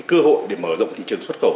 cơ hội để mở rộng thị trường xuất khẩu